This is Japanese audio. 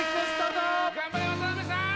頑張れ渡辺さーん！